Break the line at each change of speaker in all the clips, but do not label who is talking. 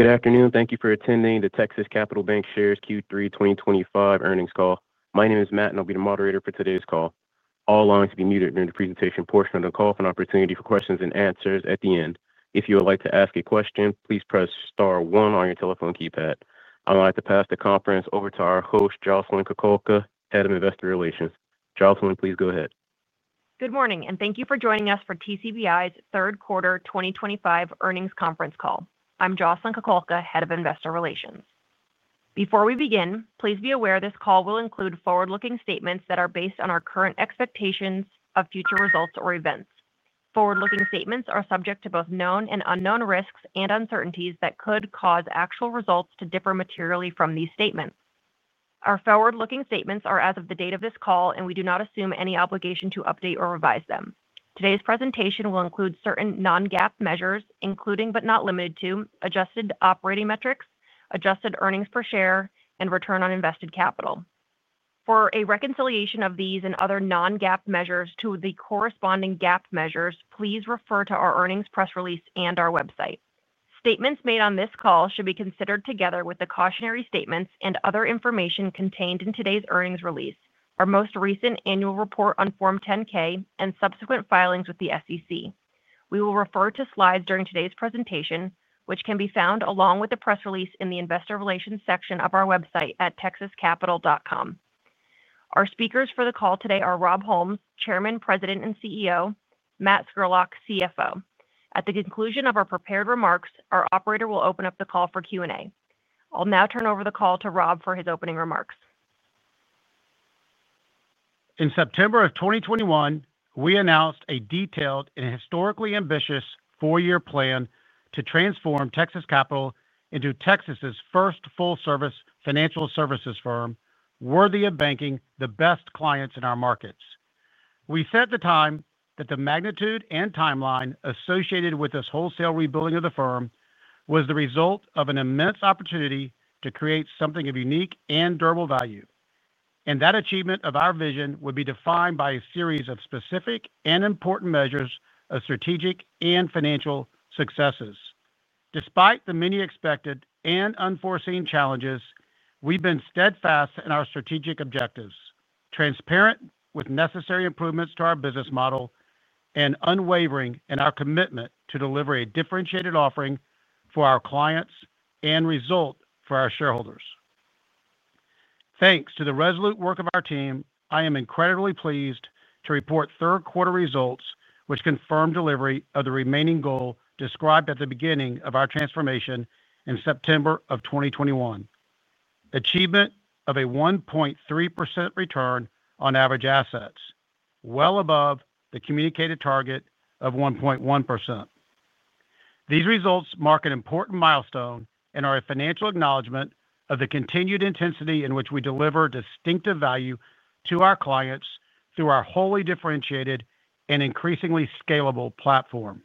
Good afternoon. Thank you for attending the Texas Capital Bancshares Q3 2025 earnings call. My name is Matt, and I'll be the moderator for today's call. All lines will be muted during the presentation portion of the call for an opportunity for questions and answers at the end. If you would like to ask a question, please press star one on your telephone keypad. I would like to pass the conference over to our host, Jocelyn Kukulka, Head of Investor Relations. Jocelyn, please go ahead.
Good morning, and thank you for joining us for TCBI's third quarter 2025 earnings conference call. I'm Jocelyn Kukulka, Head of Investor Relations. Before we begin, please be aware this call will include forward-looking statements that are based on our current expectations of future results or events. Forward-looking statements are subject to both known and unknown risks and uncertainties that could cause actual results to differ materially from these statements. Our forward-looking statements are as of the date of this call, and we do not assume any obligation to update or revise them. Today's presentation will include certain non-GAAP measures, including but not limited to adjusted operating metrics, adjusted earnings per share, and return on invested capital. For a reconciliation of these and other non-GAAP measures to the corresponding GAAP measures, please refer to our earnings press release and our website. Statements made on this call should be considered together with the cautionary statements and other information contained in today's earnings release, our most recent annual report on Form 10-K, and subsequent filings with the SEC. We will refer to slides during today's presentation, which can be found along with the press release in the Investor Relations section of our website at texascapital.com. Our speakers for the call today are Rob Holmes, Chairman, President and CEO, and Matt Scurlock, CFO. At the conclusion of our prepared remarks, our operator will open up the call for Q&A. I'll now turn over the call to Rob for his opening remarks.
In September of 2021, we announced a detailed and historically ambitious four-year plan to transform Texas Capital into Texas's first full-service financial services firm worthy of banking the best clients in our markets. We set the time that the magnitude and timeline associated with this wholesale rebuilding of the firm was the result of an immense opportunity to create something of unique and durable value. That achievement of our vision would be defined by a series of specific and important measures of strategic and financial successes. Despite the many expected and unforeseen challenges, we've been steadfast in our strategic objectives, transparent with necessary improvements to our business model, and unwavering in our commitment to deliver a differentiated offering for our clients and result for our shareholders. Thanks to the resolute work of our team, I am incredibly pleased to report third-quarter results, which confirm delivery of the remaining goal described at the beginning of our transformation in September of 2021: the achievement of a 1.3% return on average assets, well above the communicated target of 1.1%. These results mark an important milestone and are a financial acknowledgment of the continued intensity in which we deliver distinctive value to our clients through our wholly differentiated and increasingly scalable platform.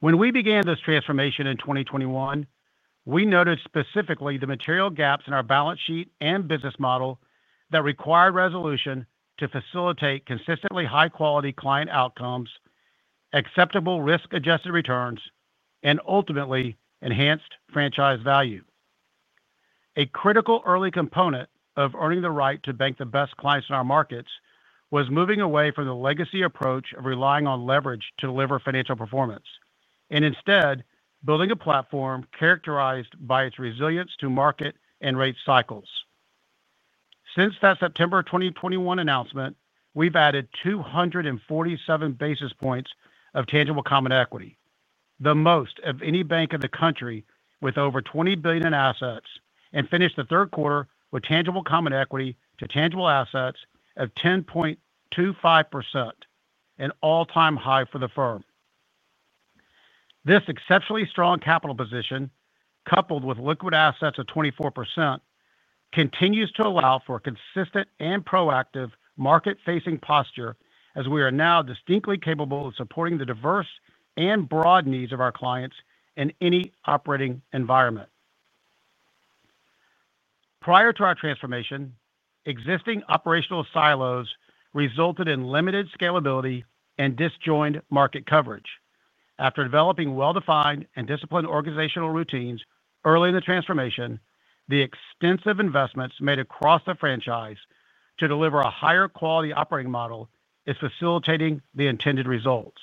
When we began this transformation in 2021, we noted specifically the material gaps in our balance sheet and business model that require resolution to facilitate consistently high-quality client outcomes, acceptable risk-adjusted returns, and ultimately enhanced franchise value. A critical early component of earning the right to bank the best clients in our markets was moving away from the legacy approach of relying on leverage to deliver financial performance and instead building a platform characterized by its resilience to market and rate cycles. Since that September 2021 announcement, we've added 247 basis points of tangible common equity, the most of any bank in the country with over $20 billion in assets, and finished the third quarter with tangible common equity to tangible assets of 10.25%, an all-time high for the firm. This exceptionally strong capital position, coupled with liquid assets of 24%, continues to allow for a consistent and proactive market-facing posture as we are now distinctly capable of supporting the diverse and broad needs of our clients in any operating environment. Prior to our transformation, existing operational silos resulted in limited scalability and disjoint market coverage. After developing well-defined and disciplined organizational routines early in the transformation, the extensive investments made across the franchise to deliver a higher quality operating model is facilitating the intended results.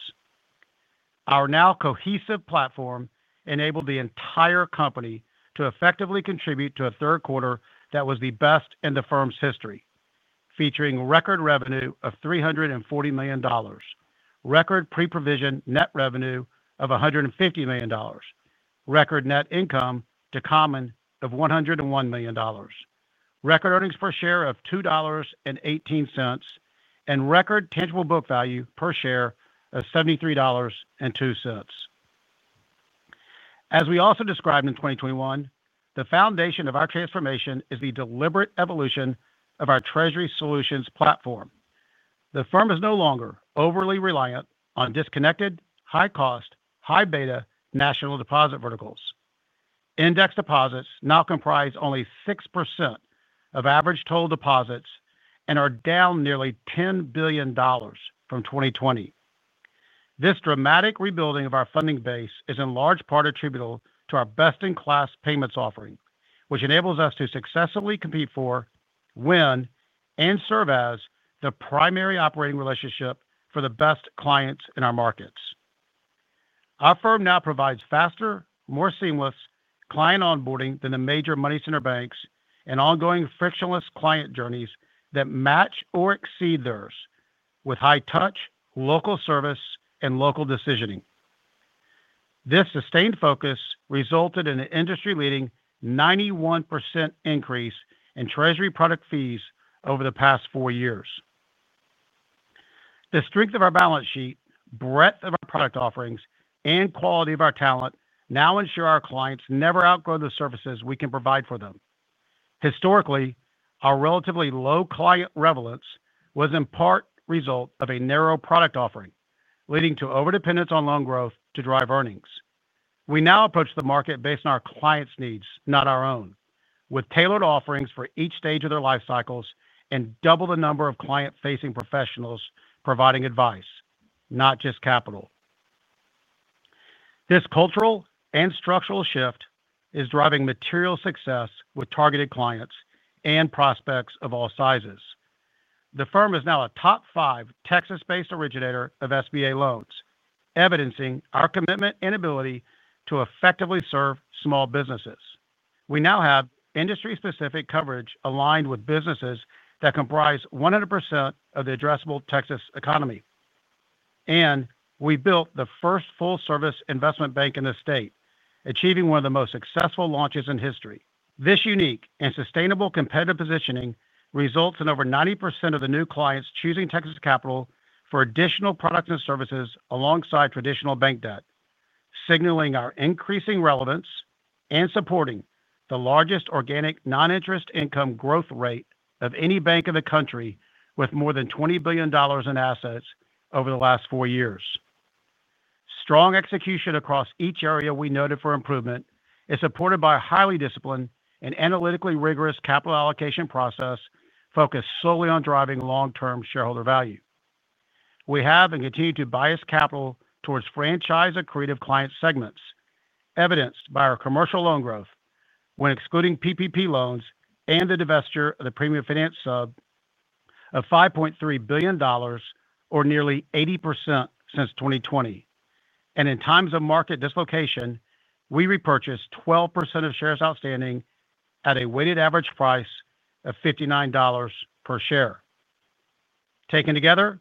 Our now cohesive platform enabled the entire company to effectively contribute to a third quarter that was the best in the firm's history, featuring record revenue of $340 million, record pre-provision net revenue of $150 million, record net income to common of $101 million, record earnings per share of $2.18, and record tangible book value per share of $73.02. As we also described in 2021, the foundation of our transformation is the deliberate evolution of our Treasury Solutions platform. The firm is no longer overly reliant on disconnected, high-cost, high-beta national deposit verticals. Index deposits now comprise only 6% of average total deposits and are down nearly $10 billion from 2020. This dramatic rebuilding of our funding base is in large part attributable to our best-in-class payments offering, which enables us to successfully compete for, win, and serve as the primary operating relationship for the best clients in our markets. Our firm now provides faster, more seamless client onboarding than the major money center banks and ongoing frictionless client journeys that match or exceed theirs with high touch, local service, and local decisioning. This sustained focus resulted in an industry-leading 91% increase in Treasury product fees over the past four years. The strength of our balance sheet, breadth of our product offerings, and quality of our talent now ensure our clients never outgrow the services we can provide for them. Historically, our relatively low client reverence was in part a result of a narrow product offering, leading to overdependence on loan growth to drive earnings. We now approach the market based on our clients' needs, not our own, with tailored offerings for each stage of their life cycles and double the number of client-facing professionals providing advice, not just capital. This cultural and structural shift is driving material success with targeted clients and prospects of all sizes. The firm is now a top-five Texas-based originator of SBA loans, evidencing our commitment and ability to effectively serve small businesses. We now have industry-specific coverage aligned with businesses that comprise 100% of the addressable Texas economy. We built the first full-service investment bank in the state, achieving one of the most successful launches in history. This unique and sustainable competitive positioning results in over 90% of the new clients choosing Texas Capital for additional products and services alongside traditional bank debt, signaling our increasing relevance and supporting the largest organic non-interest income growth rate of any bank in the country with more than $20 billion in assets over the last four years. Strong execution across each area we noted for improvement is supported by a highly disciplined and analytically rigorous capital allocation process focused solely on driving long-term shareholder value. We have and continue to bias capital towards franchise accretive client segments, evidenced by our commercial loan growth when excluding PPP loans and the divestiture of the premium finance sub of $5.3 billion, or nearly 80% since 2020. In times of market dislocation, we repurchased 12% of shares outstanding at a weighted average price of $59 per share. Taken together,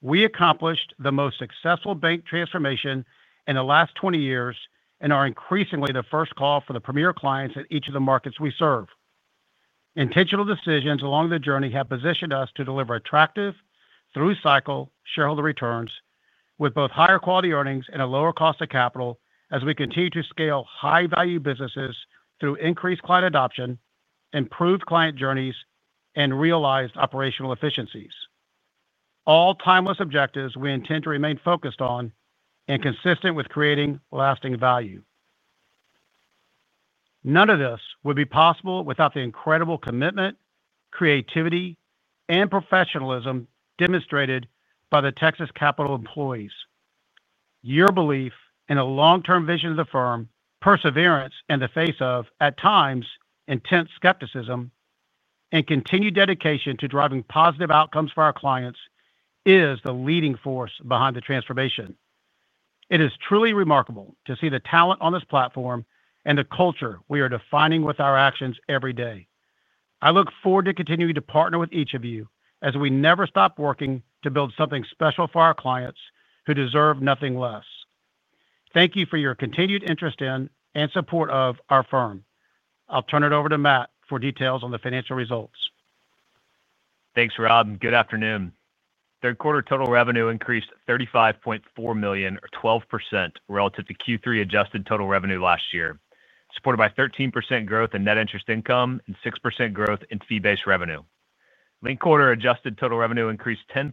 we accomplished the most successful bank transformation in the last 20 years and are increasingly the first call for the premier clients in each of the markets we serve. Intentional decisions along the journey have positioned us to deliver attractive through-cycle shareholder returns with both higher quality earnings and a lower cost of capital as we continue to scale high-value businesses through increased client adoption, improved client journeys, and realized operational efficiencies, all timeless objectives we intend to remain focused on and consistent with creating lasting value. None of this would be possible without the incredible commitment, creativity, and professionalism demonstrated by the Texas Capital employees. Your belief in the long-term vision of the firm, perseverance in the face of, at times, intense skepticism, and continued dedication to driving positive outcomes for our clients is the leading force behind the transformation. It is truly remarkable to see the talent on this platform and the culture we are defining with our actions every day. I look forward to continuing to partner with each of you as we never stop working to build something special for our clients who deserve nothing less. Thank you for your continued interest in and support of our firm. I'll turn it over to Matt for details on the financial results.
Thanks, Rob, and good afternoon. Third quarter total revenue increased $35.4 million, or 12% relative to Q3 adjusted total revenue last year, supported by 13% growth in net interest income and 6% growth in fee-based revenue. Linked quarter adjusted total revenue increased 10%,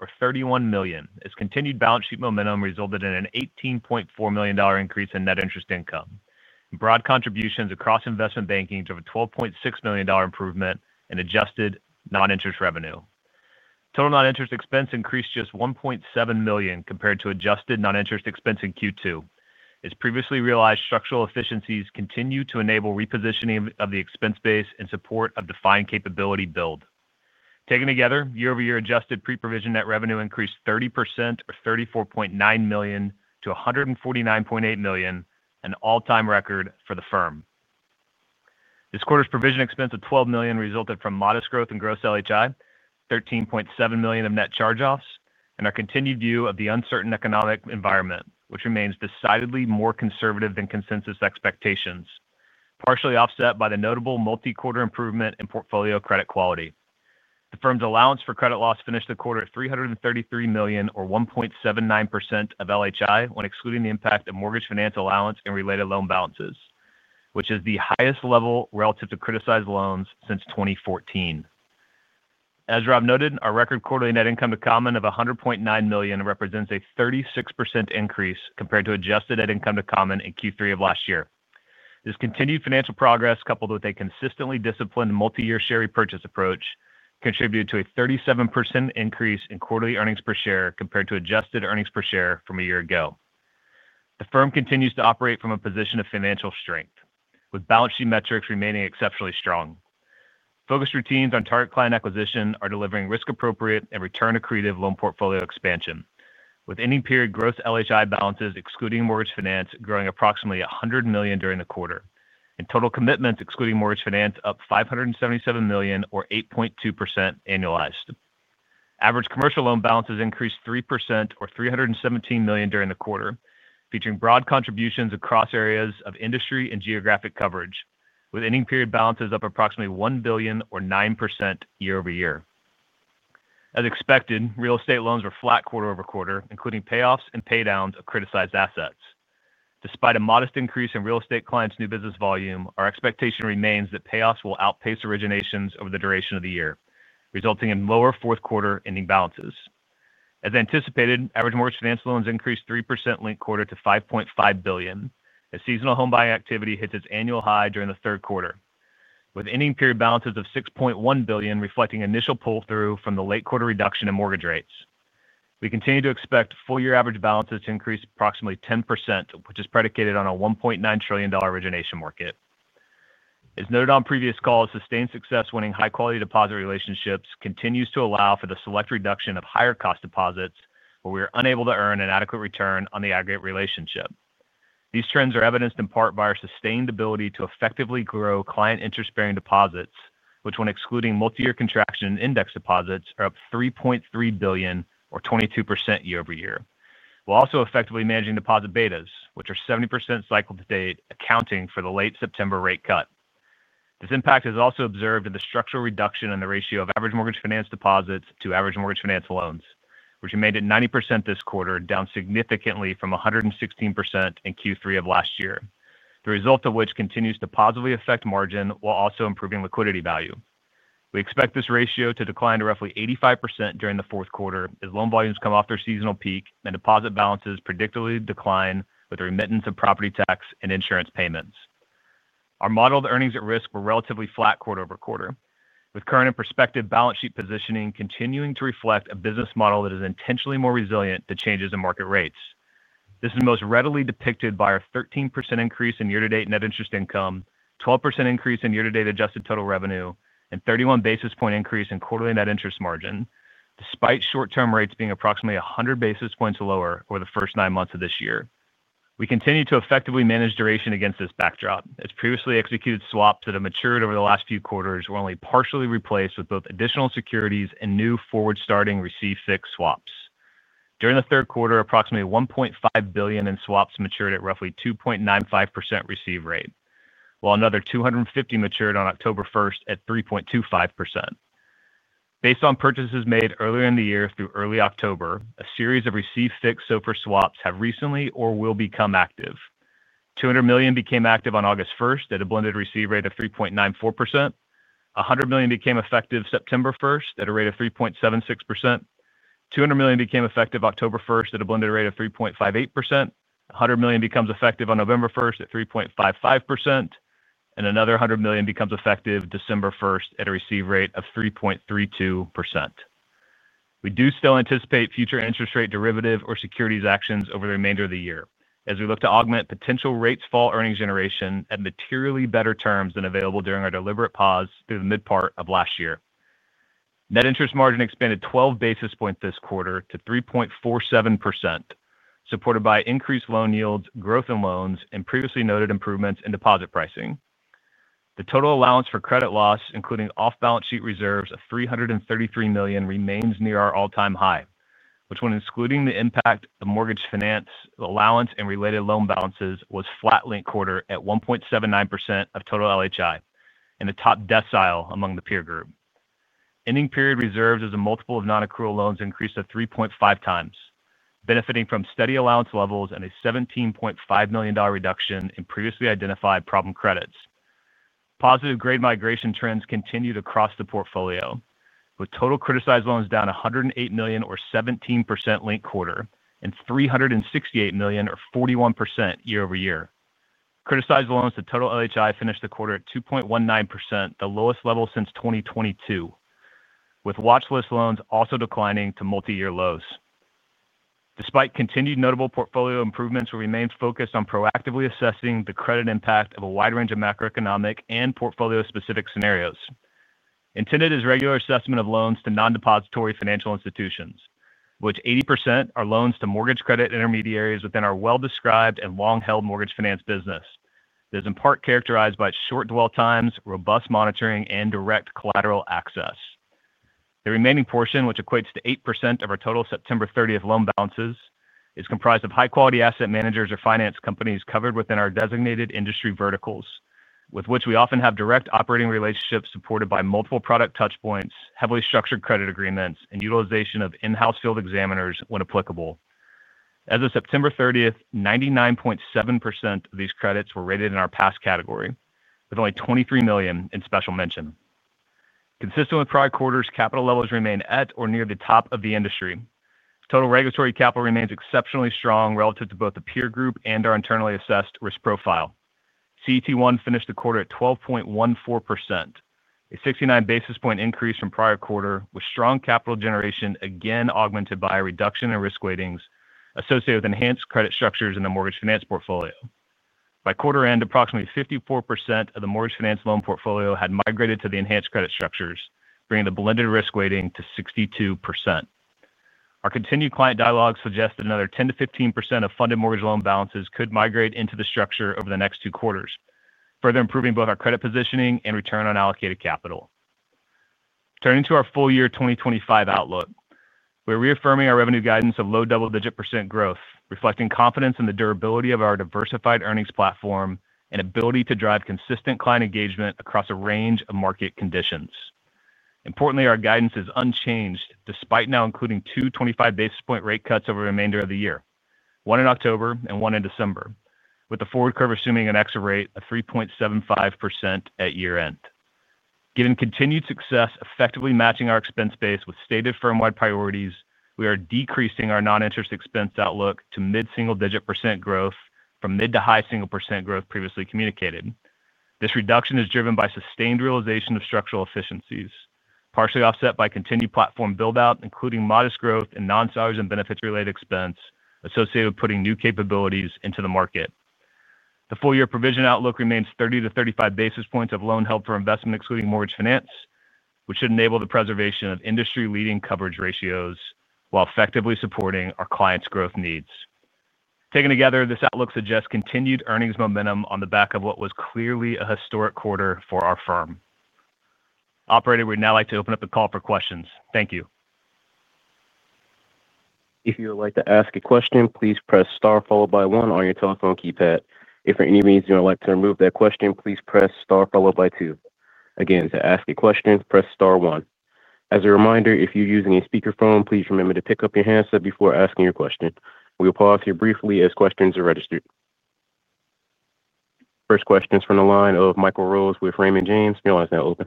or $31 million. This continued balance sheet momentum resulted in an $18.4 million increase in net interest income. Broad contributions across investment banking drove a $12.6 million improvement in adjusted non-interest revenue. Total non-interest expense increased just $1.7 million compared to adjusted non-interest expense in Q2. As previously realized, structural efficiencies continue to enable repositioning of the expense base in support of defined capability build. Taken together, year-over-year adjusted pre-provision net revenue increased 30%, or $34.9 million-$149.8 million, an all-time record for the firm. This quarter's provision expense of $12 million resulted from modest growth in gross LHI, $13.7 million of net charge-offs, and our continued view of the uncertain economic environment, which remains decidedly more conservative than consensus expectations, partially offset by the notable multi-quarter improvement in portfolio credit quality. The firm's allowance for credit loss finished the quarter at $333 million, or 1.79% of LHI when excluding the impact of mortgage finance allowance and related loan balances, which is the highest level relative to criticized loans since 2014. As Rob noted, our record quarterly net income to common of $100.9 million represents a 36% increase compared to adjusted net income to common in Q3 of last year. This continued financial progress, coupled with a consistently disciplined multi-year share repurchase approach, contributed to a 37% increase in quarterly earnings per share compared to adjusted earnings per share from a year ago. The firm continues to operate from a position of financial strength, with balance sheet metrics remaining exceptionally strong. Focused routines on target client acquisition are delivering risk-appropriate and return accretive loan portfolio expansion, with ending period gross LHI balances, excluding mortgage finance, growing approximately $100 million during the quarter, and total commitments excluding mortgage finance up $577 million, or 8.2% annualized. Average commercial loan balances increased 3%, or $317 million during the quarter, featuring broad contributions across areas of industry and geographic coverage, with ending period balances up approximately $1 billion, or 9% year-over-year. As expected, real estate loans were flat quarter-over-quarter, including payoffs and paydowns of criticized assets. Despite a modest increase in real estate clients' new business volume, our expectation remains that payoffs will outpace originations over the duration of the year, resulting in lower fourth quarter ending balances. As anticipated, average mortgage finance loans increased 3% linked quarter to $5.5 billion, as seasonal home buying activity hits its annual high during the third quarter, with ending period balances of $6.1 billion reflecting initial pull-through from the late quarter reduction in mortgage rates. We continue to expect full-year average balances to increase approximately 10%, which is predicated on a $1.9 trillion origination market. As noted on previous calls, sustained success winning high-quality deposit relationships continues to allow for the select reduction of higher cost deposits where we are unable to earn an adequate return on the aggregate relationship. These trends are evidenced in part by our sustained ability to effectively grow client interest-bearing deposits, which, when excluding multi-year contraction index deposits, are up $3.3 billion, or 22% year-over-year, while also effectively managing deposit betas, which are 70% cycle to date, accounting for the late September rate cut. This impact is also observed in the structural reduction in the ratio of average mortgage finance deposits to average mortgage finance loans, which remained at 90% this quarter, down significantly from 116% in Q3 of last year, the result of which continues to positively affect margin while also improving liquidity value. We expect this ratio to decline to roughly 85% during the fourth quarter as loan volumes come off their seasonal peak and deposit balances predictably decline with the remittance of property tax and insurance payments. Our modeled earnings at risk were relatively flat quarter-over-quarter, with current and prospective balance sheet positioning continuing to reflect a business model that is intentionally more resilient to changes in market rates. This is most readily depicted by our 13% increase in year-to-date net interest income, 12% increase in year-to-date adjusted total revenue, and 31 basis point increase in quarterly net interest margin, despite short-term rates being approximately 100 basis points lower over the first nine months of this year. We continue to effectively manage duration against this backdrop, as previously executed swaps that have matured over the last few quarters were only partially replaced with both additional securities and new forward starting receive fixed swaps. During the third quarter, approximately $1.5 billion in swaps matured at roughly a 2.95% receive rate, while another $250 million matured on October 1st at 3.25%. Based on purchases made earlier in the year through early October, a series of receive fixed SOFR swaps have recently or will become active. $200 million became active on August 1st at a blended receive rate of 3.94%. $100 million became effective September 1st at a rate of 3.76%. $200 million became effective October 1st at a blended rate of 3.58%. $100 million becomes effective on November 1st at 3.55%, and another $100 million becomes effective December 1st at a receive rate of 3.32%. We do still anticipate future interest rate derivative or securities actions over the remainder of the year as we look to augment potential rates fall earnings generation at materially better terms than available during our deliberate pause through the mid-part of last year. Net interest margin expanded 12 basis points this quarter to 3.47%, supported by increased loan yields, growth in loans, and previously noted improvements in deposit pricing. The total allowance for credit loss, including off-balance sheet reserves of $333 million, remains near our all-time high, which, when excluding the impact of mortgage finance, allowance, and related loan balances, was flat linked quarter at 1.79% of total LHI and the top decile among the peer group. Ending period reserves as a multiple of non-accrual loans increased to 3.5x, benefiting from steady allowance levels and a $17.5 million reduction in previously identified problem credits. Positive grade migration trends continued across the portfolio, with total criticized loans down $108 million, or 17% linked quarter, and $368 million, or 41% year-over-year. Criticized loans to total LHI finished the quarter at 2.19%, the lowest level since 2022, with watchlist loans also declining to multi-year lows. Despite continued notable portfolio improvements, we remain focused on proactively assessing the credit impact of a wide range of macroeconomic and portfolio-specific scenarios. Intended is regular assessment of loans to non-depository financial institutions, of which 80% are loans to mortgage credit intermediaries within our well-described and long-held mortgage finance business. This is in part characterized by short dwell times, robust monitoring, and direct collateral access. The remaining portion, which equates to 8% of our total September 30 loan balances, is comprised of high-quality asset managers or finance companies covered within our designated industry verticals, with which we often have direct operating relationships supported by multiple product touchpoints, heavily structured credit agreements, and utilization of in-house field examiners when applicable. As of September 30th, 99.7% of these credits were rated in our pass category, with only $23 million in special mention. Consistent with prior quarters, capital levels remain at or near the top of the industry. Total regulatory capital remains exceptionally strong relative to both the peer group and our internally assessed risk profile. CET1 finished the quarter at 12.14%, a 69 basis point increase from prior quarter, with strong capital generation again augmented by a reduction in risk weightings associated with enhanced credit structures in the mortgage finance portfolio. By quarter end, approximately 54% of the mortgage finance loan portfolio had migrated to the enhanced credit structures, bringing the blended risk weighting to 62%. Our continued client dialogue suggests that another 10%-15% of funded mortgage loan balances could migrate into the structure over the next two quarters, further improving both our credit positioning and return on allocated capital. Turning to our full-year 2025 outlook, we're reaffirming our revenue guidance of low double-digit percent growth, reflecting confidence in the durability of our diversified earnings platform and ability to drive consistent client engagement across a range of market conditions. Importantly, our guidance is unchanged despite now including two 25 basis point rate cuts over the remainder of the year, one in October and one in December, with the forward curve assuming an extra rate of 3.75% at year end. Given continued success effectively matching our expense base with stated firm-wide priorities, we are decreasing our non-interest expense outlook to mid-single-digit percent growth from mid to high single percent growth previously communicated. This reduction is driven by sustained realization of structural efficiencies, partially offset by continued platform build-out, including modest growth in non-salaries and benefits-related expense associated with putting new capabilities into the market. The full-year provision outlook remains 30 to 35 basis points of loan help for investment, excluding mortgage finance, which should enable the preservation of industry-leading coverage ratios while effectively supporting our clients' growth needs. Taken together, this outlook suggests continued earnings momentum on the back of what was clearly a historic quarter for our firm. Operator, we'd now like to open up the call for questions. Thank you.
If you would like to ask a question, please press star one on your telephone keypad. If for any reason you would like to remove that question, please press star two. Again, to ask a question, press star one. As a reminder, if you're using a speakerphone, please remember to pick up your handset before asking your question. We'll pause here briefly as questions are registered. First question is from the line of Michael Rose with Raymond James. Your line is now open.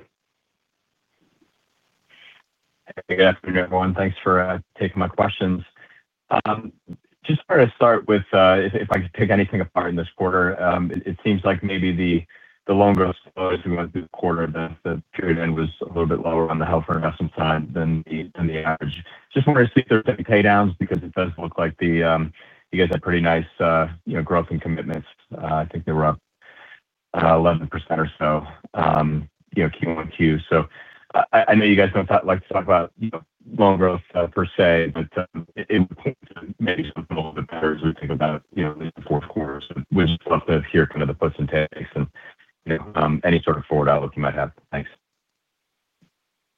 Hey, good afternoon, everyone. Thanks for taking my questions. Just wanted to start with, if I could pick anything apart in this quarter, it seems like maybe the loan growth slowed as we went through the quarter. The period end was a little bit lower on the health and investment side than the average. Just wanted to see if there's any paydowns because it does look like you guys had pretty nice growth in commitments. I think they were up 11% or so Q1Q. I know you guys don't like to talk about loan growth per se, but it would point to maybe something a little bit better as we think about the fourth quarter. We'd just love to hear kind of the puts and takes and any sort of forward outlook you might have. Thanks.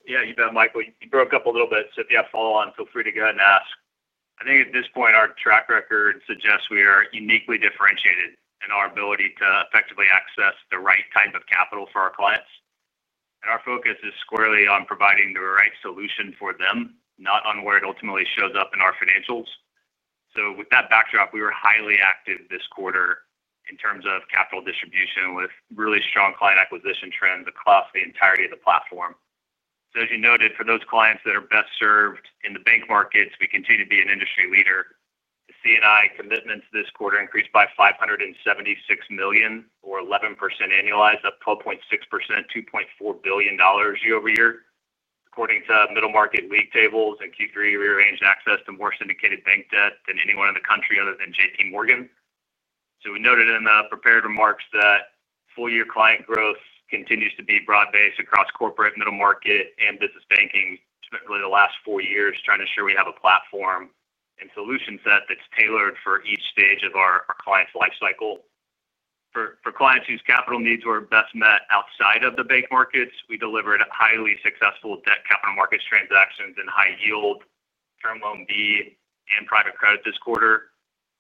Yeah, you bet, Michael. You broke up a little bit. If you have follow-on, feel free to go ahead and ask. I think at this point, our track record suggests we are uniquely differentiated in our ability to effectively access the right type of capital for our clients. Our focus is squarely on providing the right solution for them, not on where it ultimately shows up in our financials. With that backdrop, we were highly active this quarter in terms of capital distribution with really strong client acquisition trends across the entirety of the platform. As you noted, for those clients that are best served in the bank markets, we continue to be an industry leader. The CNI commitments this quarter increased by $576 million, or 11% annualized, up 12.6%, $2.4 billion year-over-year, according to middle market league tables in Q3. We arranged access to more syndicated bank debt than anyone in the country other than JPMorgan. We noted in the prepared remarks that full-year client growth continues to be broad-based across corporate, middle market, and business banking really the last four years, trying to ensure we have a platform and solution set that's tailored for each stage of our client's life cycle. For clients whose capital needs were best met outside of the bank markets, we delivered highly successful debt capital markets transactions in high yield, term loan B, and private credit this quarter,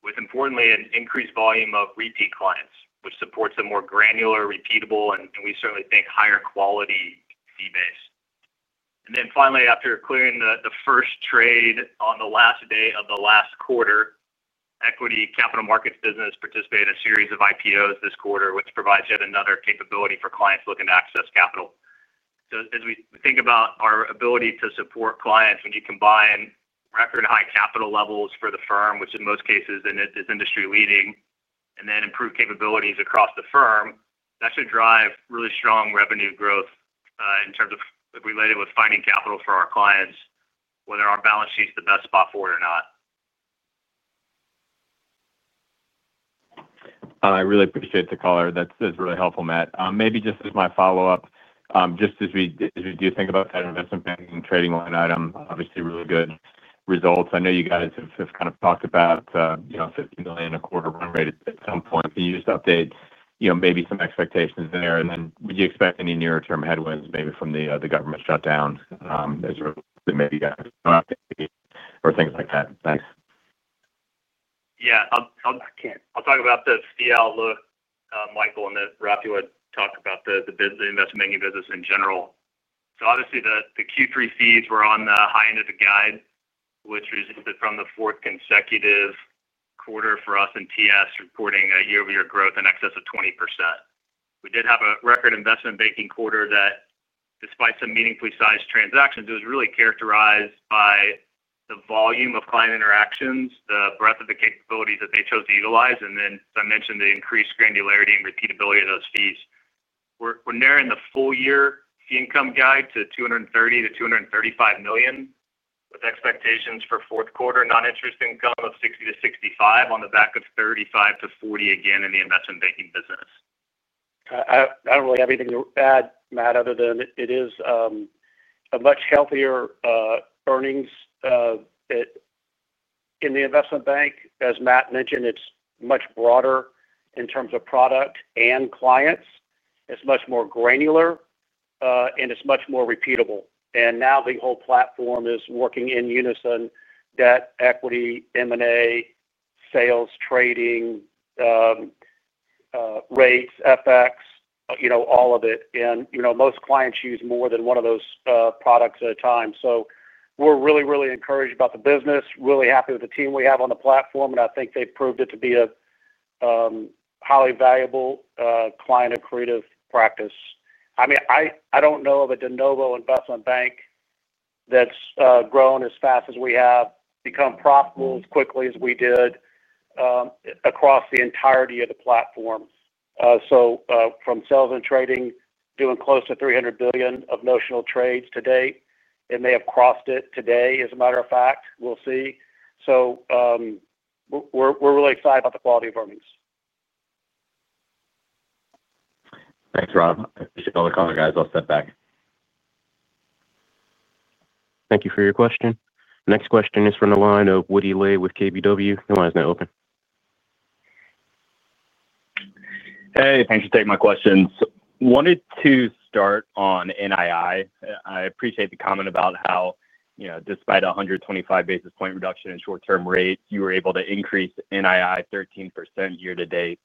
with importantly an increased volume of repeat clients, which supports a more granular, repeatable, and we certainly think higher quality fee base. Finally, after clearing the first trade on the last day of the last quarter, equity capital markets business participated in a series of IPOs this quarter, which provides yet another capability for clients looking to access capital. As we think about our ability to support clients, when you combine record high capital levels for the firm, which in most cases is industry leading, and then improved capabilities across the firm, that should drive really strong revenue growth in terms of related with finding capital for our clients, whether our balance sheet's the best spot for it or not.
I really appreciate the call. That's really helpful, Matt. Maybe just as my follow-up, as we do think about that investment banking trading line item, obviously really good results. I know you guys have kind of talked about $50 million a quarter run rate at some point. Can you just update maybe some expectations there? Would you expect any nearer-term headwinds maybe from the government shutdown as a result of maybe the IPO update or things like that? Thanks.
Yeah, I'll talk about the fee outlook, Michael, and then wrap you up, talk about the investment banking business in general. Obviously, the Q3 fees were on the high end of the guide, which resulted from the fourth consecutive quarter for us in TS reporting year-over-year growth in excess of 20%. We did have a record investment banking quarter that, despite some meaningfully sized transactions, was really characterized by the volume of client interactions, the breadth of the capabilities that they chose to utilize, and, as I mentioned, the increased granularity and repeatability of those fees. We're narrowing the full-year fee income guide to $230 million-$235 million, with expectations for fourth quarter non-interest income of $60 million-$65 million on the back of $35 million-$40 million again in the investment banking business.
I don't really have anything to add, Matt, other than it is a much healthier earnings in the investment bank. As Matt mentioned, it's much broader in terms of product and clients. It's much more granular, and it's much more repeatable. Now the whole platform is working in unison: debt, equity, M&A, sales, trading, rates, FX, you know, all of it. Most clients use more than one of those products at a time. We're really, really encouraged about the business, really happy with the team we have on the platform, and I think they've proved it to be a highly valuable client creative practice. I don't know of a de novo investment bank that's grown as fast as we have, become profitable as quickly as we did across the entirety of the platform. From sales and trading, doing close to $300 billion of notional trades to date, and they have crossed it today, as a matter of fact. We're really excited about the quality of earnings.
Thanks, Rob. I appreciate all the comments, guys. I'll step back.
Thank you for your question. Next question is from the line of Woody Lay with KBW. Your line is now open.
Hey, thanks for taking my questions. Wanted to start on NII. I appreciate the comment about how, you know, despite a 125 basis point reduction in short-term rate, you were able to increase NII 13% year to date.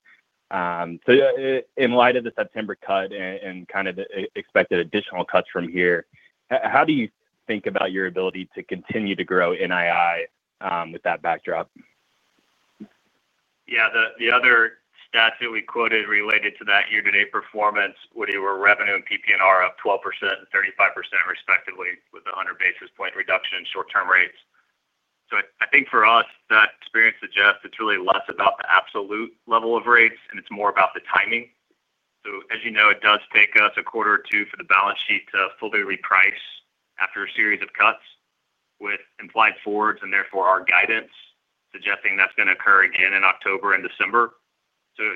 In light of the September cut and kind of the expected additional cuts from here, how do you think about your ability to continue to grow NII with that backdrop?
Yeah, the other stats that we quoted related to that year-to-date performance, Woody, were revenue and PPNR up 12% and 35% respectively with 100 basis point reduction in short-term rates. I think for us, that experience suggests it's really less about the absolute level of rates, and it's more about the timing. As you know, it does take us a quarter or two for the balance sheet to fully reprice after a series of cuts with implied forwards and therefore our guidance suggesting that's going to occur again in October and December.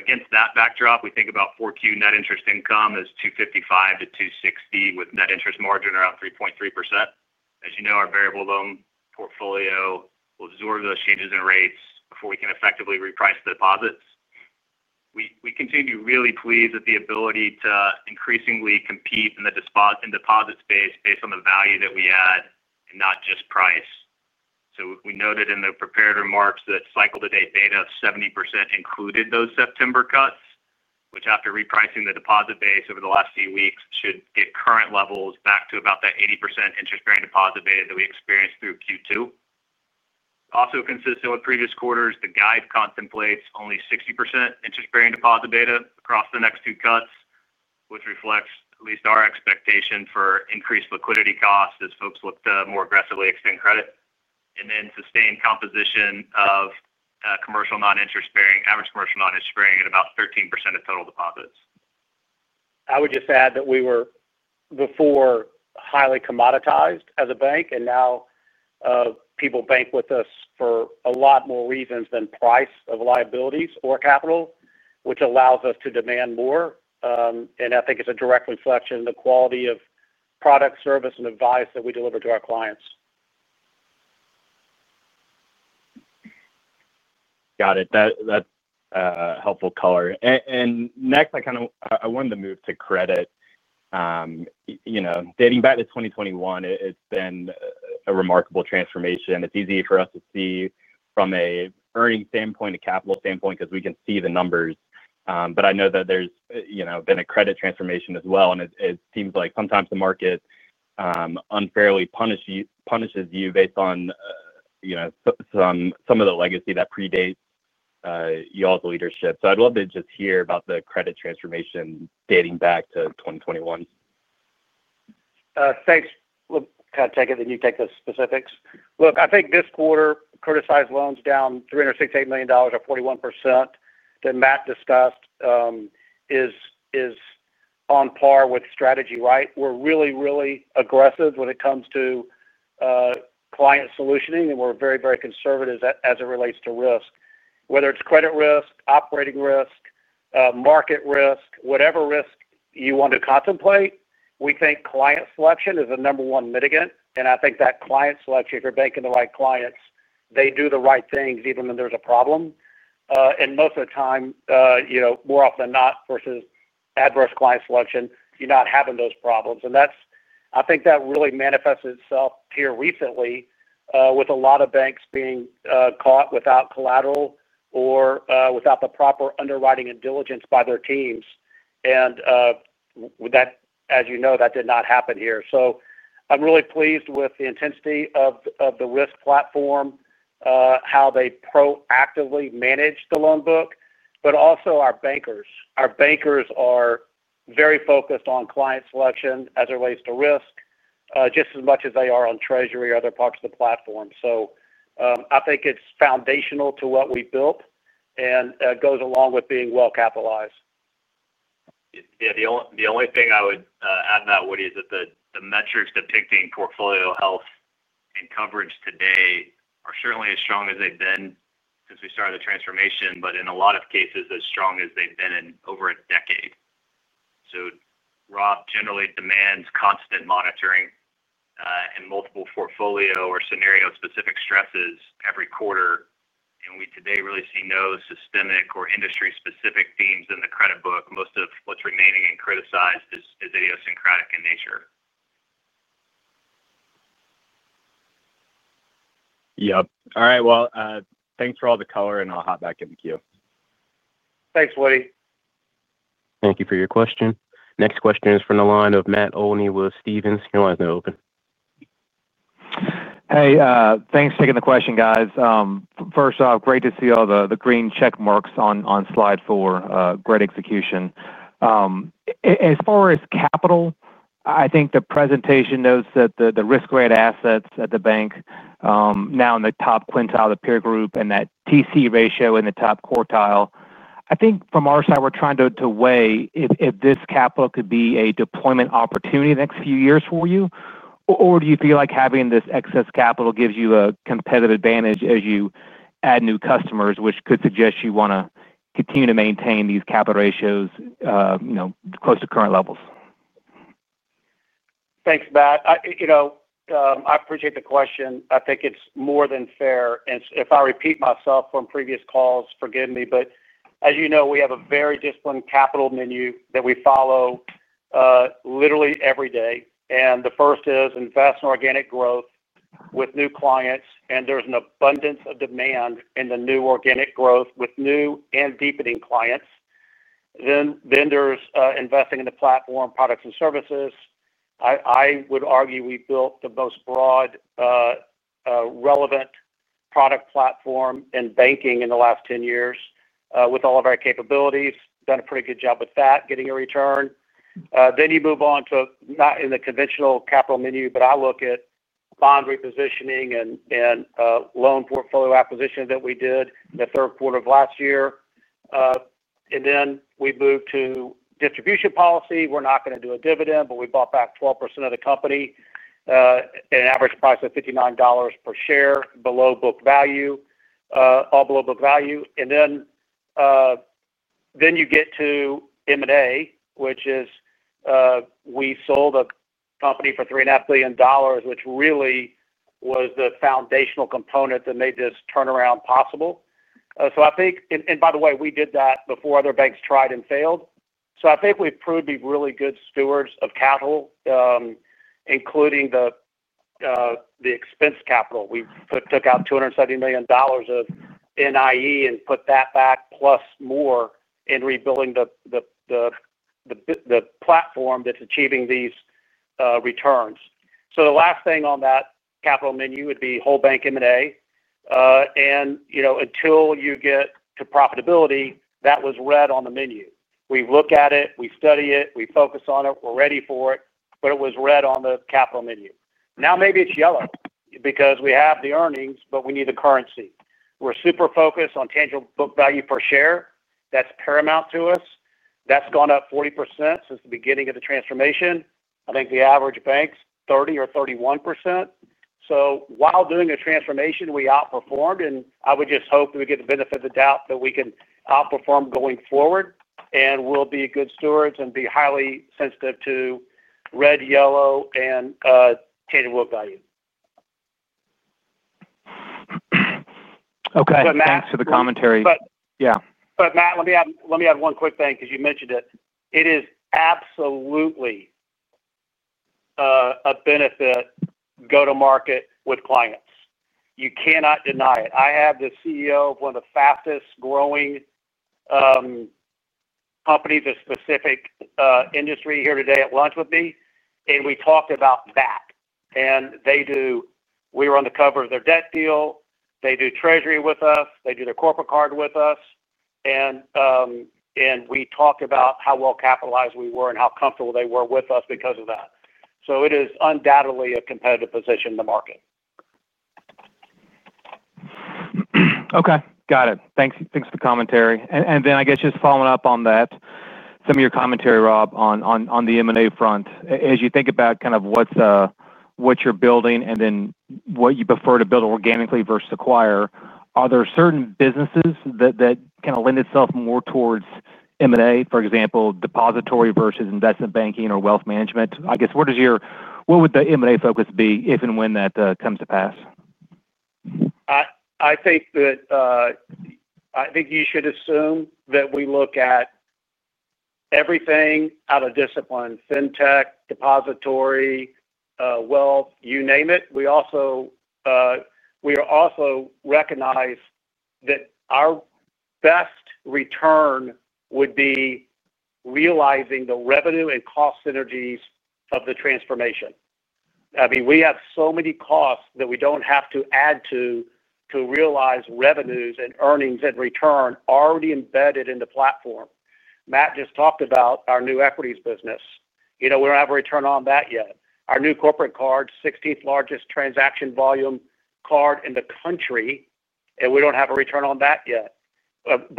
Against that backdrop, we think about 4Q net interest income is $255 million-$260 million with net interest margin around 3.3%. As you know, our variable loan portfolio will absorb those changes in rates before we can effectively reprice the deposits. We continue to be really pleased at the ability to increasingly compete in the deposit space based on the value that we add and not just price. We noted in the prepared remarks that cycle-to-date beta of 70% included those September cuts, which after repricing the deposit base over the last few weeks should get current levels back to about that 80% interest-bearing deposit beta that we experienced through Q2. Also consistent with previous quarters, the guide contemplates only 60% interest-bearing deposit beta across the next two cuts, which reflects at least our expectation for increased liquidity costs as folks look to more aggressively extend credit, and then sustained composition of commercial non-interest-bearing, average commercial non-interest-bearing at about 13% of total deposits.
I would just add that we were before highly commoditized as a bank, and now people bank with us for a lot more reasons than price of liabilities or capital, which allows us to demand more. I think it's a direct reflection of the quality of product, service, and advice that we deliver to our clients.
Got it. That's a helpful caller. Next, I kind of wanted to move to credit. You know, dating back to 2021, it's been a remarkable transformation. It's easy for us to see from an earnings standpoint, a capital standpoint because we can see the numbers. I know that there's been a credit transformation as well, and it seems like sometimes the market unfairly punishes you based on some of the legacy that predates you all's leadership. I'd love to just hear about the credit transformation dating back to 2021.
Thanks. Look, can I take it, then you take the specifics? I think this quarter criticized loans down $368 million or 41% that Matt discussed is on par with strategy. We're really, really aggressive when it comes to client solutioning, and we're very, very conservative as it relates to risk. Whether it's credit risk, operating risk, market risk, whatever risk you want to contemplate, we think client selection is the number one mitigant. I think that client selection, if you're banking the right clients, they do the right things even when there's a problem. Most of the time, you know, more often than not, versus adverse client selection, you're not having those problems. I think that really manifested itself here recently with a lot of banks being caught without collateral or without the proper underwriting and diligence by their teams. With that, as you know, that did not happen here. I'm really pleased with the intensity of the risk platform, how they proactively manage the loan book, but also our bankers. Our bankers are very focused on client selection as it relates to risk just as much as they are on Treasury or other parts of the platform. I think it's foundational to what we built and goes along with being well-capitalized.
Yeah, the only thing I would add to that, Woody, is that the metrics depicting portfolio health and coverage today are certainly as strong as they've been since we started the transformation, in a lot of cases as strong as they've been in over a decade. Rob generally demands constant monitoring and multiple portfolio or scenario-specific stresses every quarter. We today really see no systemic or industry-specific themes in the credit book. Most of what's remaining and criticized is idiosyncratic in nature.
All right. Thanks for all the color, and I'll hop back in the queue.
Thanks, Woody.
Thank you for your question. Next question is from the line of Matt Olney with Stephens. Your line is now open.
Hey, thanks for taking the question, guys. First off, great to see all the green check marks on slide four. Great execution. As far as capital, I think the presentation notes that the risk-grade assets at the bank are now in the top quintile of the peer group and that CET1 ratio is in the top quartile. I think from our side, we're trying to weigh if this capital could be a deployment opportunity the next few years for you, or do you feel like having this excess capital gives you a competitive advantage as you add new customers, which could suggest you want to continue to maintain these capital ratios, you know, close to current levels?
Thanks, Matt. I appreciate the question. I think it's more than fair. If I repeat myself from previous calls, forgive me, but as you know, we have a very disciplined capital menu that we follow literally every day. The first is invest in organic growth with new clients, and there's an abundance of demand in the new organic growth with new and deepening clients. There's investing in the platform products and services. I would argue we built the most broad, relevant product platform in banking in the last 10 years with all of our capabilities, done a pretty good job with that, getting a return. You move on to not in the conventional capital menu, but I look at bond repositioning and loan portfolio acquisition that we did in the third quarter of last year. We moved to distribution policy. We're not going to do a dividend, but we bought back 12% of the company at an average price of $59 per share, below book value, all below book value. You get to M&A, which is we sold a company for $3.5 billion, which really was the foundational component that made this turnaround possible. By the way, we did that before other banks tried and failed. I think we've proved to be really good stewards of capital, including the expense capital. We took out $270 million of NIE and put that back plus more in rebuilding the platform that's achieving these returns. The last thing on that capital menu would be whole bank M&A. Until you get to profitability, that was red on the menu. We've looked at it, we study it, we focus on it, we're ready for it, but it was red on the capital menu. Now maybe it's yellow because we have the earnings, but we need the currency. We're super focused on tangible book value per share. That's paramount to us. That's gone up 40% since the beginning of the transformation. I think the average bank's 30% or 31%. While doing a transformation, we outperformed, and I would just hope that we get the benefit of the doubt that we can outperform going forward and will be good stewards and be highly sensitive to red, yellow, and tangible book value.
Okay, back to the commentary.
Matt, let me add one quick thing because you mentioned it. It is absolutely a benefit to go to market with clients. You cannot deny it. I have the CEO of one of the fastest growing companies in a specific industry here today at lunch with me, and we talked about that. They do, we were on the cover of their debt deal. They do Treasury with us. They do their corporate card with us. We talked about how well-capitalized we were and how comfortable they were with us because of that. It is undoubtedly a competitive position in the market.
Okay. Got it. Thanks. Thanks for the commentary. I guess just following up on that, some of your commentary, Rob, on the M&A front, as you think about kind of what you're building and then what you prefer to build organically versus acquire, are there certain businesses that kind of lend itself more towards M&A, for example, depository versus investment banking or wealth management? I guess what would the M&A focus be if and when that comes to pass?
I think you should assume that we look at everything out of discipline: fintech, depository, wealth, you name it. We also recognize that our best return would be realizing the revenue and cost synergies of the transformation. I mean, we have so many costs that we don't have to add to realize revenues and earnings and return already embedded in the platform. Matt just talked about our new equities business. You know, we don't have a return on that yet. Our new corporate card, 16th largest transaction volume card in the country, and we don't have a return on that yet.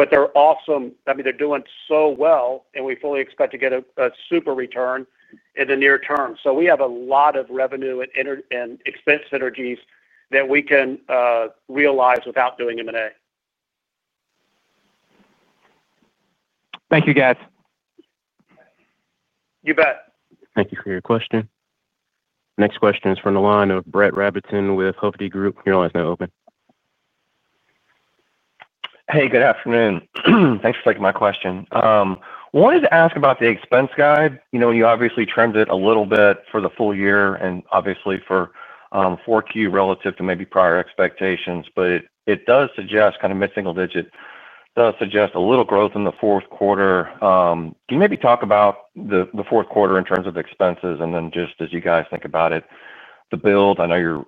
They're awesome. I mean, they're doing so well, and we fully expect to get a super return in the near term. We have a lot of revenue and expense synergies that we can realize without doing M&A.
Thank you, guys.
You bet.
Thank you for your question. Next question is from the line of Brett Rabatin with Hovde Group. Your line is now open.
Hey, good afternoon. Thanks for taking my question. I wanted to ask about the expense guide. You obviously trimmed it a little bit for the full year and obviously for 4Q relative to maybe prior expectations, but it does suggest kind of mid-single digit, does suggest a little growth in the fourth quarter. Can you maybe talk about the fourth quarter in terms of the expenses and then just as you guys think about it, the build? I know you're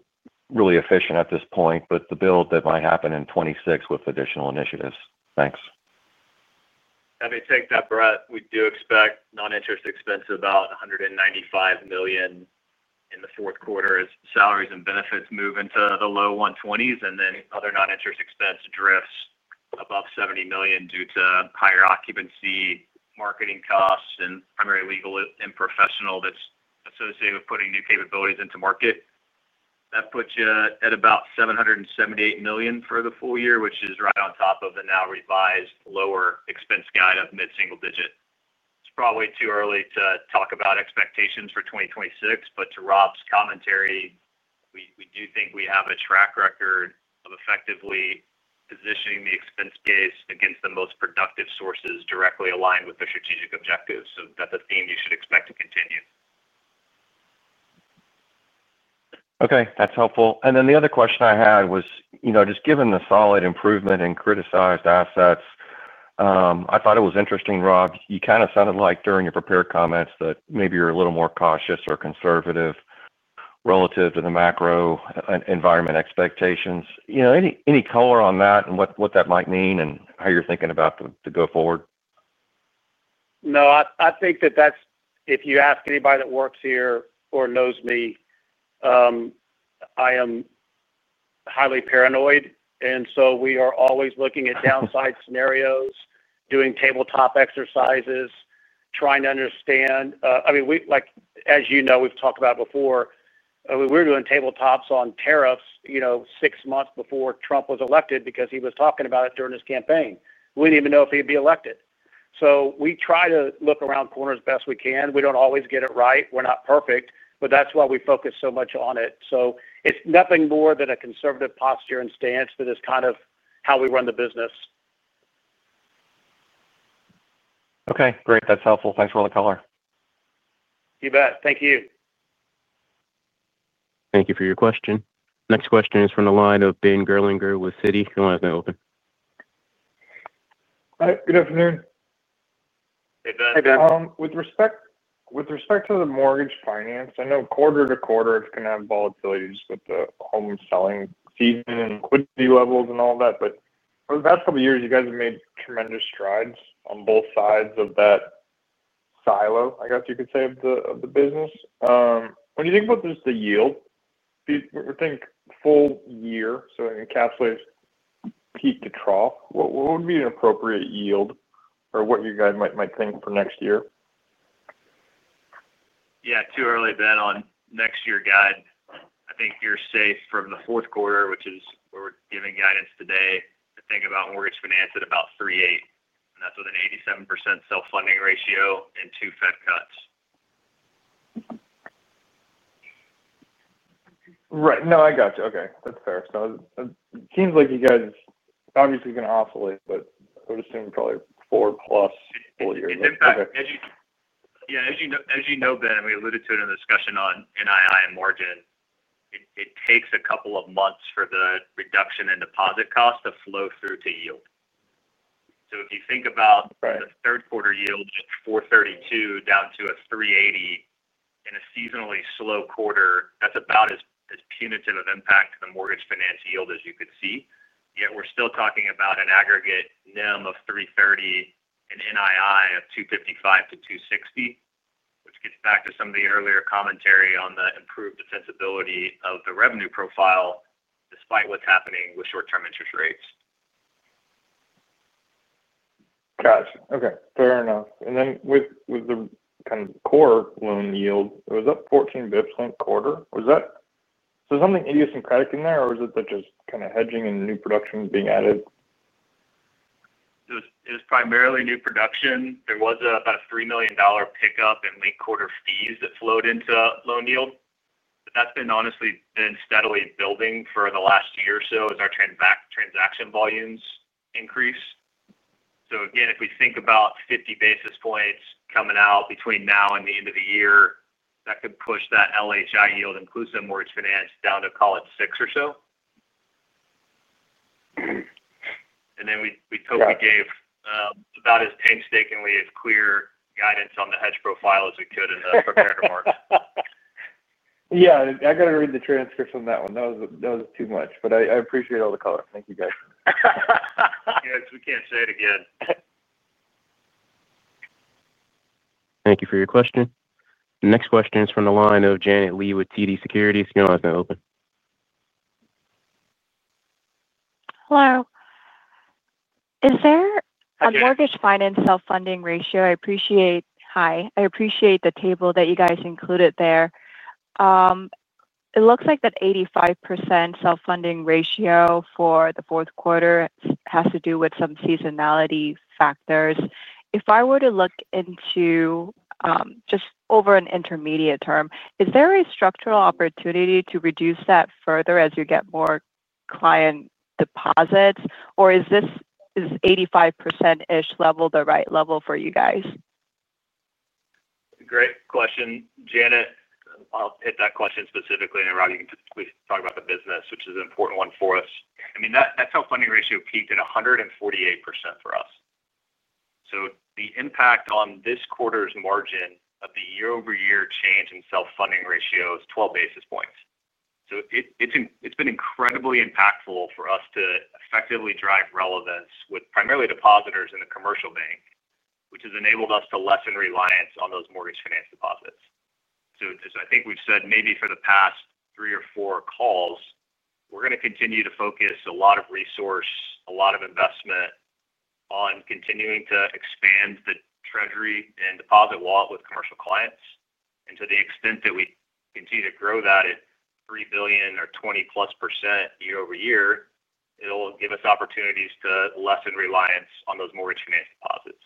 really efficient at this point, but the build that might happen in 2026 with additional initiatives. Thanks.
I mean, take that, Brett. We do expect non-interest expense of about $195 million in the fourth quarter as salaries and benefits move into the low $120 million, and then other non-interest expense drifts above $70 million due to higher occupancy, marketing costs, and primary legal and professional that's associated with putting new capabilities into market. That puts you at about $778 million for the full year, which is right on top of the now revised lower expense guide of mid-single digit. It's probably too early to talk about expectations for 2026, but to Rob's commentary, we do think we have a track record of effectively positioning the expense case against the most productive sources directly aligned with the strategic objectives. That's a theme you should expect to continue.
Okay. That's helpful. The other question I had was, you know, just given the solid improvement in criticized assets, I thought it was interesting, Rob. You kind of sounded like during your prepared comments that maybe you're a little more cautious or conservative relative to the macro environment expectations. You know, any color on that and what that might mean and how you're thinking about the go-forward?
No, I think that that's, if you ask anybody that works here or knows me, I am highly paranoid. We are always looking at downside scenarios, doing tabletop exercises, trying to understand. I mean, like as you know, we've talked about before, we were doing tabletops on tariffs, you know, six months before Trump was elected because he was talking about it during his campaign. We didn't even know if he'd be elected. We try to look around corners as best we can. We don't always get it right. We're not perfect, but that's why we focus so much on it. It's nothing more than a conservative posture and stance for this kind of how we run the business.
Okay. Great. That's helpful. Thanks for all the color.
You bet. Thank you.
Thank you for your question. Next question is from the line of Ben Gerlinger with Citi. Your line is now open.
Good afternoon.
Hey, Ben.
Hey, Ben.
With respect to the mortgage finance, I know quarter to quarter it's going to have volatilities with the home selling season and liquidity levels and all that. Over the past couple of years, you guys have made tremendous strides on both sides of that silo, I guess you could say, of the business. When you think about just the yield, if you think full year, so it encapsulates peak to trough, what would be an appropriate yield or what you guys might think for next year?
Yeah, too early, Ben, on next year guide. I think you're safe from the fourth quarter, which is where we're giving guidance today, to think about mortgage finance at about $3.8 million, and that's with an 87% self-funding ratio and two Fed cuts.
Right. No, I got you. Okay, that's fair. It seems like you guys obviously are going to oscillate, but I would assume probably four plus full year.
Yeah, as you know, Ben, we alluded to it in the discussion on NII and margin. It takes a couple of months for the reduction in deposit costs to flow through to yield. If you think about the third quarter yield at 4.32% down to a 3.80% in a seasonally slow quarter, that's about as punitive of impact to the mortgage finance yield as you could see. Yet we're still talking about an aggregate NIM of 3.30% and NII of $255 million-$260 million, which gets back to some of the earlier commentary on the improved defensibility of the revenue profile despite what's happening with short-term interest rates.
Gotcha. Okay. Fair enough. With the kind of core loan yield, it was up 14% quarter. Was that something idiosyncratic in there, or was it just kind of hedging and new production being added?
It was primarily new production. There was about a $3 million pickup in late quarter fees that flowed into loan yield. That's been honestly been steadily building for the last year or so as our transaction volumes increase. If we think about 50 basis points coming out between now and the end of the year, that could push that LHI yield, inclusive of mortgage finance, down to call it 6% or so. We hope we gave about as painstakingly as clear guidance on the hedge profile as we could in the prepared remarks.
Yeah, I got to read the transcripts on that one. That was too much. I appreciate all the caller. Thank you, guys.
Yeah, because we can't say it again.
Thank you for your question. The next question is from the line of Janet Lee with TD Securities. Your line is now open.
Hello. Is there a mortgage finance self-funding ratio? I appreciate the table that you guys included there. It looks like that 85% self-funding ratio for the fourth quarter has to do with some seasonality factors. If I were to look into just over an intermediate term, is there a structural opportunity to reduce that further as you get more client deposits, or is this 85%-ish level the right level for you guys?
Great question. Janet, I'll hit that question specifically, and Rob, you can talk about the business, which is an important one for us. I mean, that self-funding ratio peaked at 148% for us. The impact on this quarter's margin of the year-over-year change in self-funding ratio is 12 basis points. It's been incredibly impactful for us to effectively drive relevance with primarily depositors in the commercial bank, which has enabled us to lessen reliance on those mortgage finance deposits. I think we've said maybe for the past three or four calls, we're going to continue to focus a lot of resource, a lot of investment on continuing to expand the Treasury and deposit wallet with commercial clients. To the extent that we continue to grow that at $3 billion or 20%+ year-over-year, it'll give us opportunities to lessen reliance on those mortgage finance deposits.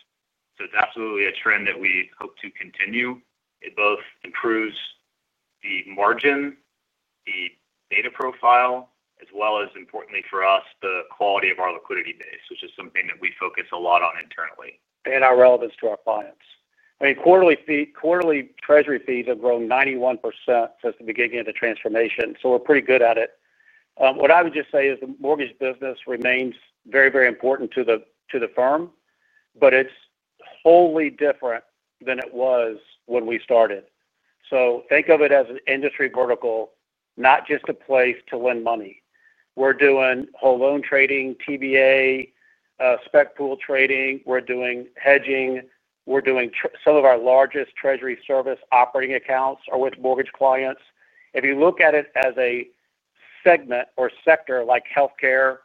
It's absolutely a trend that we hope to continue. It both improves the margin, the data profile, as well as, importantly for us, the quality of our liquidity base, which is something that we focus a lot on internally.
Our relevance to our clients is clear. Quarterly treasury product fees have grown 91% since the beginning of the transformation, so we're pretty good at it. The mortgage business remains very, very important to the firm, but it's wholly different than it was when we started. Think of it as an industry vertical, not just a place to lend money. We're doing whole loan trading, TBA, spec pool trading, and hedging. Some of our largest treasury service operating accounts are with mortgage clients. If you look at it as a segment or sector like healthcare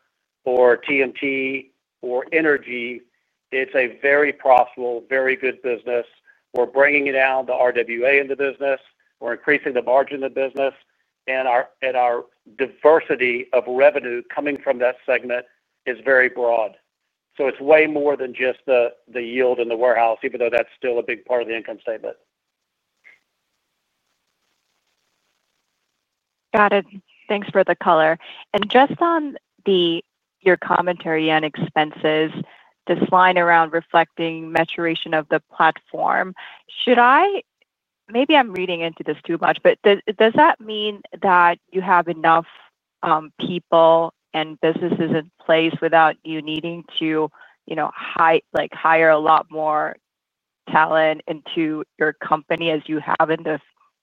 or TMT or energy, it's a very profitable, very good business. We're bringing it down to RWA in the business and increasing the margin in the business. Our diversity of revenue coming from that segment is very broad. It's way more than just the yield in the warehouse, even though that's still a big part of the income statement.
Got it. Thanks for the color. On your commentary on expenses, this line around reflecting maturation of the platform, should I, maybe I'm reading into this too much, but does that mean that you have enough people and businesses in place without you needing to hire a lot more talent into your company as you have in the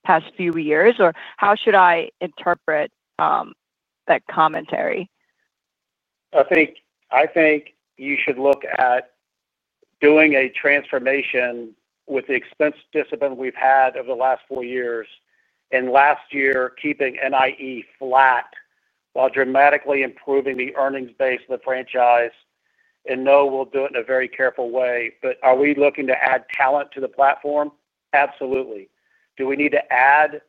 past few years? How should I interpret that commentary?
I think you should look at doing a transformation with the expense discipline we've had over the last four years, and last year keeping NIE flat while dramatically improving the earnings base of the franchise. We'll do it in a very careful way. Are we looking to add talent to the platform? Absolutely. Do we need to add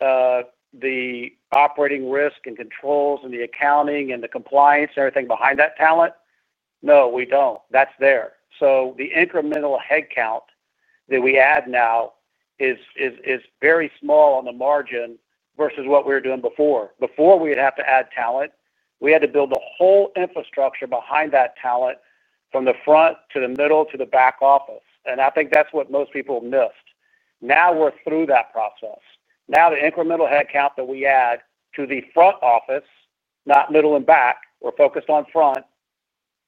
the operating risk and controls and the accounting and the compliance and everything behind that talent? No, we don't. That's there. The incremental headcount that we add now is very small on the margin versus what we were doing before. Before, we would have to add talent. We had to build a whole infrastructure behind that talent from the front to the middle to the back office. I think that's what most people missed. Now we're through that process. Now the incremental headcount that we add to the front office, not middle and back, we're focused on front.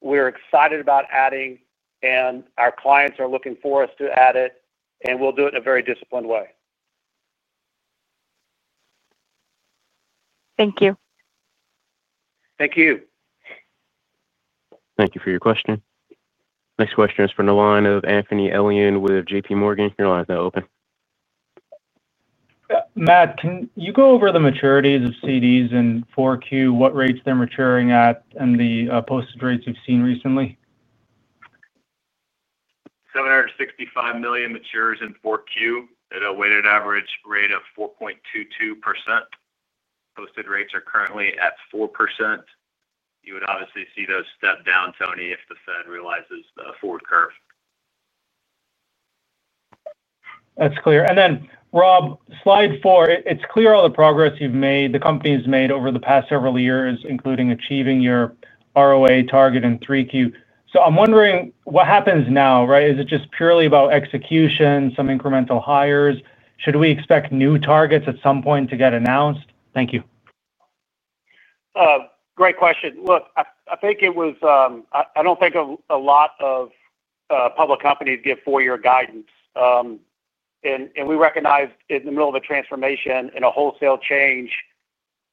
We're excited about adding, and our clients are looking for us to add it, and we'll do it in a very disciplined way.
Thank you.
Thank you.
Thank you for your question. Next question is from the line of Anthony Elian with JPMorgan. Your line is now open.
Matt, can you go over the maturities of CDs in 4Q, what rates they're maturing at, and the posted rates you've seen recently?
$765 million matures in 4Q at a weighted average rate of 4.22%. Posted rates are currently at 4%. You would obviously see those step down, Tony, if the Fed realizes the forward curve.
That's clear. Rob, slide four, it's clear all the progress you've made, the company's made over the past several years, including achieving your ROA target in 3Q. I'm wondering what happens now, right? Is it just purely about execution, some incremental hires? Should we expect new targets at some point to get announced? Thank you.
Great question. Look, I think it was, I don't think a lot of public companies give four-year guidance. We recognized in the middle of a transformation and a wholesale change,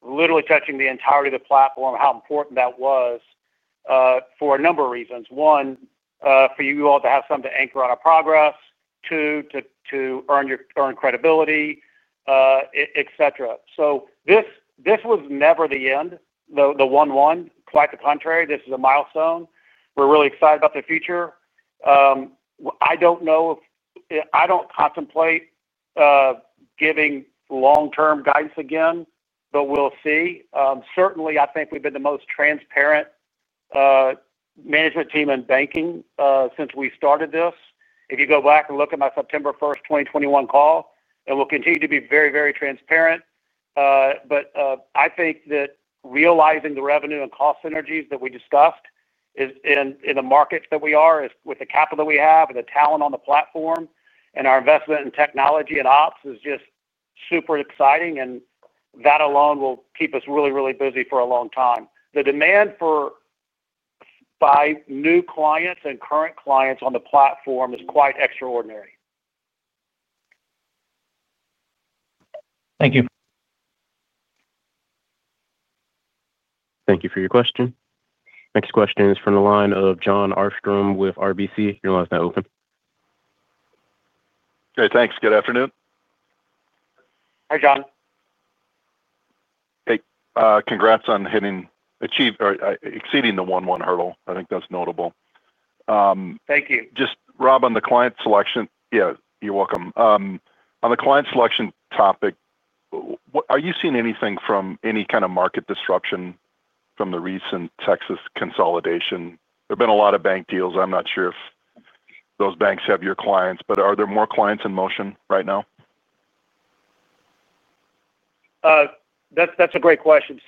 literally touching the entirety of the platform, how important that was for a number of reasons. One, for you all to have something to anchor on our progress, two, to earn your credibility, etc. This was never the end, the 1-1. Quite the contrary. This is a milestone. We're really excited about the future. I don't know if I don't contemplate giving long-term guidance again, but we'll see. Certainly, I think we've been the most transparent management team in banking since we started this. If you go back and look at my September 1st, 2021 call, it will continue to be very, very transparent. I think that realizing the revenue and cost synergies that we discussed in the markets that we are, with the capital that we have, and the talent on the platform, and our investment in technology and ops is just super exciting. That alone will keep us really, really busy for a long time. The demand for new clients and current clients on the platform is quite extraordinary.
Thank you.
Thank you for your question. Next question is from the line of Jon Harrison with RBC. Your line is now open.
Okay, thanks. Good afternoon.
Hi, Jon.
Hey, congrats on exceeding the 1:1 hurdle. I think that's notable.
Thank you.
Rob, on the client selection, you're welcome. On the client selection topic, are you seeing anything from any kind of market disruption from the recent Texas consolidation? There have been a lot of bank deals. I'm not sure if those banks have your clients, but are there more clients in motion right now?
That's a great question.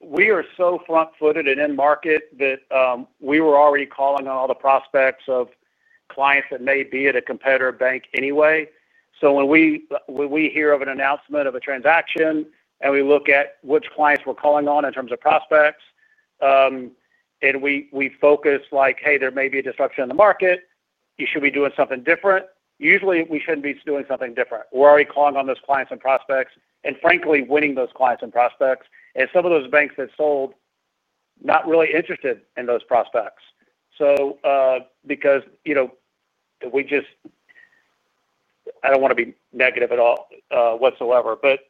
We are so front-footed and in-market that we were already calling on all the prospects or clients that may be at a competitor bank anyway. When we hear of an announcement of a transaction and we look at which clients we're calling on in terms of prospects, we focus like, "Hey, there may be a disruption in the market. You should be doing something different." Usually, we shouldn't be doing something different. We're already calling on those clients and prospects and, frankly, winning those clients and prospects. Some of those banks that sold, not really interested in those prospects, because, you know, I don't want to be negative at all whatsoever, but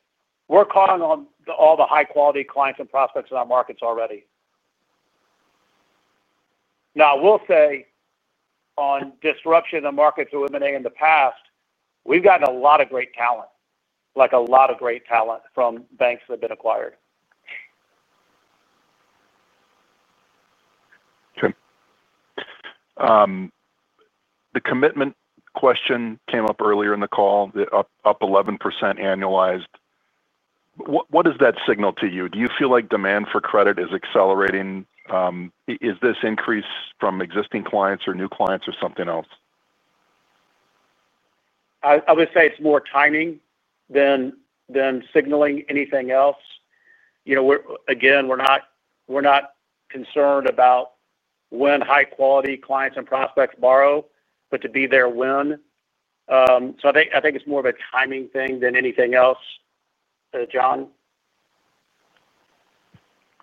we're calling on all the high-quality clients and prospects in our markets already. I will say on disruption in the markets of M&A in the past, we've gotten a lot of great talent, like a lot of great talent from banks that have been acquired.
Okay. The commitment question came up earlier in the call, the up 11% annualized. What does that signal to you? Do you feel like demand for credit is accelerating? Is this increase from existing clients or new clients or something else?
I would say it's more timing than signaling anything else. We're not concerned about when high-quality clients and prospects borrow, but to be there when. I think it's more of a timing thing than anything else, Jon.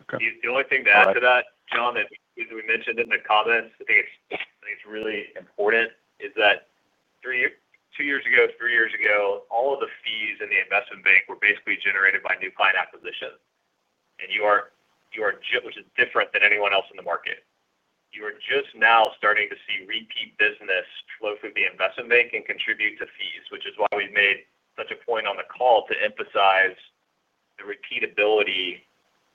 Okay. The only thing to add to that, Jon, that we mentioned in the comments, I think it's really important is that two years ago, three years ago, all of the fees in the investment bank were basically generated by new client acquisitions. Which is different than anyone else in the market. You are just now starting to see repeat business flow through the investment bank and contribute to fees, which is why we've made such a point on the call to emphasize the repeatability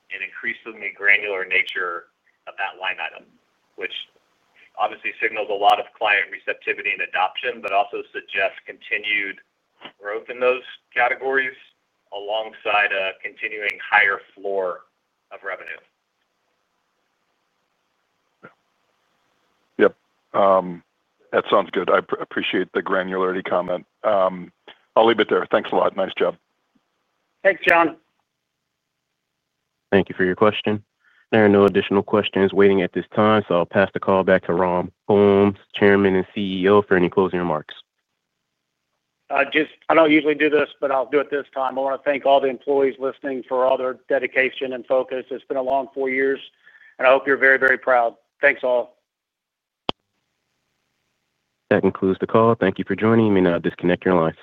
and increasingly granular nature of that line item, which obviously signals a lot of client receptivity and adoption, but also suggests continued growth in those categories alongside a continuing higher floor of revenue.
Yep. That sounds good. I appreciate the granularity comment. I'll leave it there. Thanks a lot. Nice job.
Thanks, Jon.
Thank you for your question. There are no additional questions waiting at this time, so I'll pass the call back to Rob Holmes, Chairman and CEO, for any closing remarks.
I don't usually do this, but I'll do it this time. I want to thank all the employees listening for all their dedication and focus. It's been a long four years, and I hope you're very, very proud. Thanks all.
That concludes the call. Thank you for joining. You may now disconnect your line.